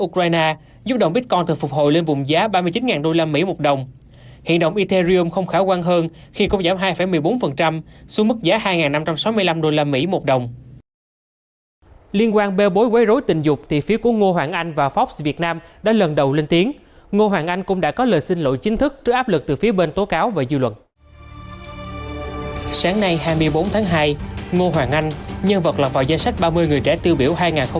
sáng nay hai mươi bốn tháng hai ngô hoàng anh nhân vật lọc vào danh sách ba mươi người trẻ tiêu biểu hai nghìn hai mươi một